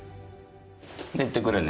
行ってくるね。